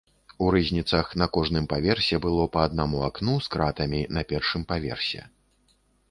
У рызніцах на кожным паверсе было па аднаму акну з кратамі на першым паверсе.